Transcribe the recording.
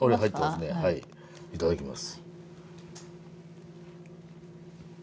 はいいただきます。